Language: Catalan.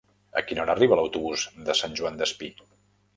A quina hora arriba l'autobús de Sant Joan Despí?